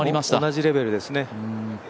同じレベルですね。